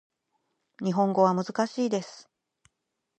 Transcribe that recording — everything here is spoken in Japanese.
日本語は難しいです